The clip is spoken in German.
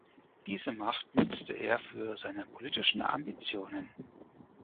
Diese Macht nutzte er für seine politischen Ambitionen.